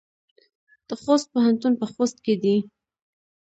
د خوست پوهنتون په خوست کې دی